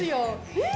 えっ！？